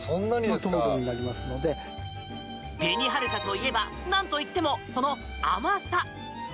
紅はるかといえばなんといってもその甘さ。